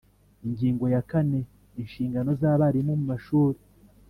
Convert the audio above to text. Ingingo ya kane Inshingano z abarimu muma shuri.